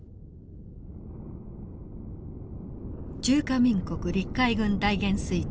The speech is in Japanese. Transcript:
中華民国陸海軍大元帥